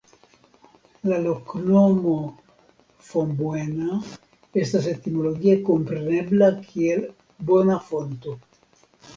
La loknomo "Fombuena" estas etimologie komprenebla kiel "Bona Fonto".